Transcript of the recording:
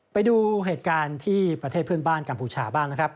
ไปดูเหตุการณ์ที่ประเทศเพื่อนบ้านกัมพูชาบ้างนะครับ